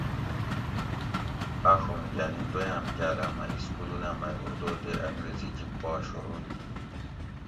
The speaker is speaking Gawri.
آۤڛوم یعنی دویاۤم کاۤلہ مۤہ اِسکولونہ مئ اُردو تے انگریزی جِب پا شورو کِیر